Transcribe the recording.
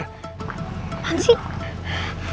lo tuh perempuan pikir